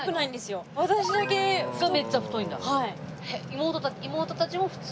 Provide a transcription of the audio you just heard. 妹たちも普通？